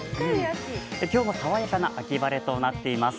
今日も、さわやかな秋晴れとなっています。